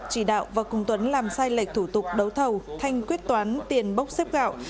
chỉ đạo và cùng tuấn làm sai lệch thủ tục đấu thầu thanh quyết toán tiền bốc xếp gạo